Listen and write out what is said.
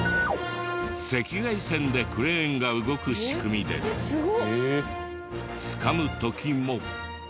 赤外線でクレーンが動く仕組みで掴む時も。